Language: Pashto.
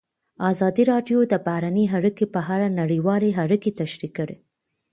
ازادي راډیو د بهرنۍ اړیکې په اړه نړیوالې اړیکې تشریح کړي.